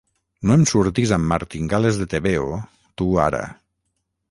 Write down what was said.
No em surtis amb martingales de tebeo, tu ara!